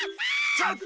ちょっと！